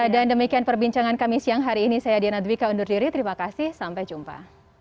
dan demikian perbincangan kami siang hari ini saya diana dwi ka undur diri terima kasih sampai jumpa